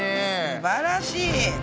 すばらしい！